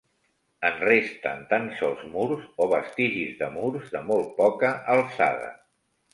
En resten tan sols murs o vestigis de murs de molt poca alçada.